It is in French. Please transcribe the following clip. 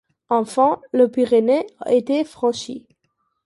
Enfin les Pyrénées étaient franchies.